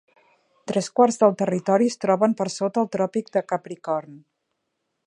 Tres quarts del territori es troben per sota el Tròpic de Capricorn.